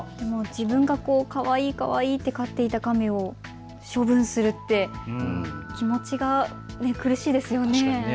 自分はかわいい、かわいいと飼っていたカメを処分するって気持ちが苦しいですよね。